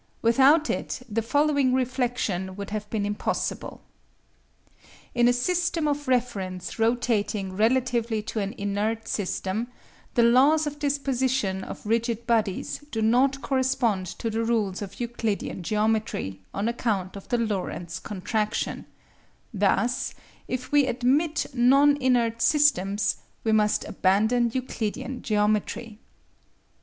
Without it the following reflection would have been impossible: In a system of reference rotating relatively to an inert system, the laws of disposition of rigid bodies do not correspond to the rules of Euclidean geometry on account of the Lorentz contraction; thus if we admit non inert systems we must abandon Euclidean geometry.